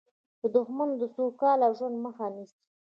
دښمن د سوکاله ژوند مخه نیسي